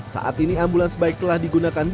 saat ini ambulans bike telah digunakan